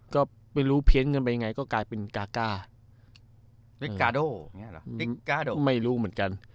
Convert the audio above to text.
ก็ไม่รู้เพี้ยงเงินไปยังไงก็กลายเป็นกาก้าไม่รู้เหมือนกัน